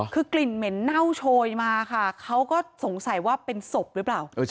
คือกลิ่นเหม็นเน่าโชยมาค่ะเขาก็สงสัยว่าเป็นศพหรือเปล่า